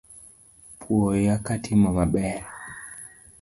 Puoya katimo maber